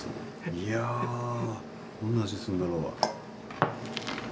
いやどんな味するんだろう。